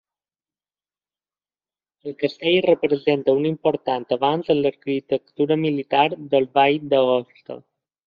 El castell representa un important avanç en l'arquitectura militar del Vall d'Aosta.